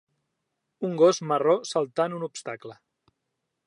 Un gos marró saltant un obstacle.